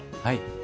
はい。